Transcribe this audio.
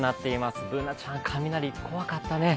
Ｂｏｏｎａちゃん、雷、怖かったね。